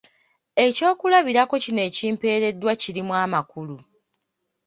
Ekyokulabirako kino ekimpeereddwa kirimu amakulu?